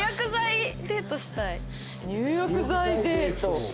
入浴剤デート？